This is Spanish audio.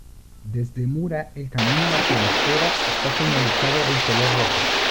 Desde Mura el camino hacia las cuevas está señalizado en color rojo.